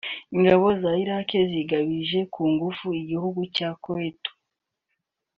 Ingabo za Iraqi zigabije ku ngufu igihugu cya Kuwait